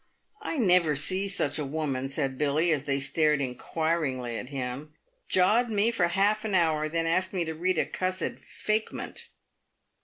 " I never see such a woman," said Billy, as they stared inquiringly at him. " Jawed me for half an hour, and then asked me to read a cussed ' fakement.'